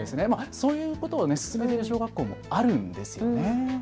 そういうことをすすめる小学校もあるんですよね。